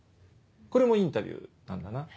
これもインタビューなんだな。